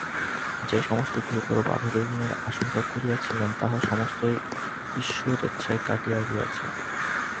যে সমস্ত গুরুতর বাধাবিঘ্নের আশঙ্কা করিয়াছিলেন তাহা সমস্তই ঈশ্বরেচ্ছায় কাটিয়া গিয়াছে।